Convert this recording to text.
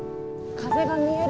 風が見える。